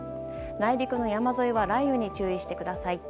内陸の山沿いは雷雨に注意してください。